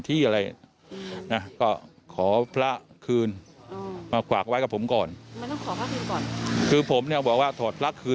ตามนฮวยปริกนะคะผู้ใหญ่ชะนารมเขาก็บอกว่าหลังก่อเหตุ